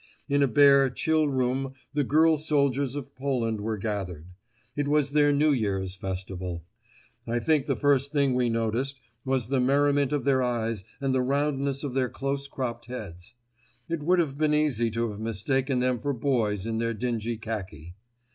In a bare, chill room the girl soldiers of Poland were gathered. It was their New Year's festival. I think the first thing we noticed was the merriment of their eyes and the roundness of their close cropped heads. It would have been easy to have mistaken them for boys in their dingy khaki.